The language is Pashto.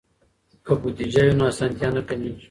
که بودیجه وي نو اسانتیا نه کمېږي.